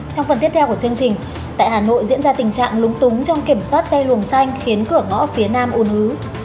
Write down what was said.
trong phần tiếp theo của chương trình tại hà nội diễn ra tình trạng lúng túng trong kiểm soát xe luồng xanh khiến cửa ngõ phía nam un ứ